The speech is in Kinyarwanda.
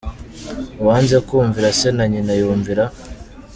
Uwanze kumvira se na nyina yumvira.